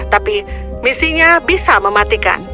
tapi misinya bisa mematikan